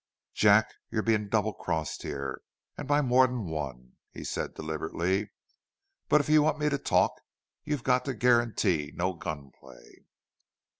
"Jack, you're being double crossed here an' by more 'n one," he said, deliberately. "But if you want me to talk you've got to guarantee no gun play."